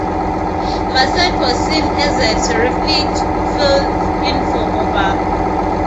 Bassett was seen as a "terrific" fill in for Obama.